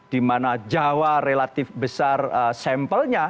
dimana jawa relatif besar sampelnya